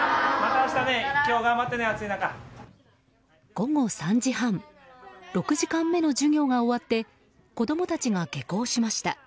午後３時半６時間目の授業が終わって子供たちが下校しました。